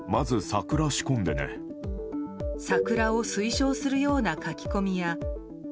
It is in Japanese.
サクラを推奨するような書き込みや。